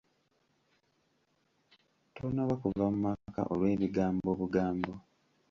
Tonoba kuva mu maka olw'ebigambo obugambo.